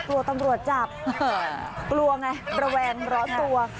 กลัวตำรวจจับกลัวไงระแวงร้อนตัว